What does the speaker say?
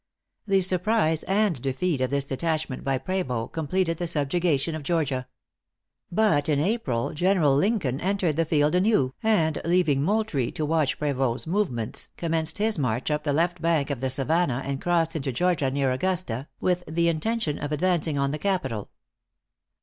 The surprise and defeat of this detachment by Prevost, completed the subjugation of Georgia. But in April General Lincoln entered the field anew, and leaving Moultrie to watch Prevost's movements, commenced his march up the left bank of the Savannah and crossed into Georgia near Augusta, with the intention of advancing on the capital.